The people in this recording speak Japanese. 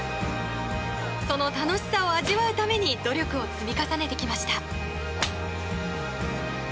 その楽しさを味わうために努力を積み重ねてきました。